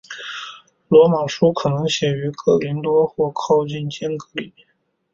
罗马书可能写于哥林多或靠近坚革哩。